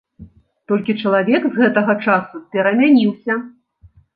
Толькі чалавек з гэтага часу перамяніўся.